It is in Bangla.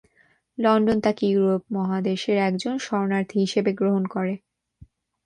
লন্ডন তাকে ইউরোপ মহাদেশের একজন শরণার্থী হিসেবে গ্রহণ করে।